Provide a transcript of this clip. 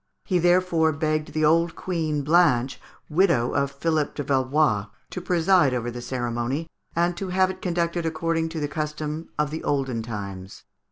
He therefore begged the old Queen Blanche, widow of Philippe de Valois, to preside over the ceremony, and to have it conducted according to the custom of olden times.